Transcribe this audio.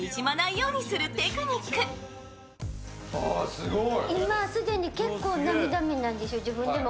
すごい。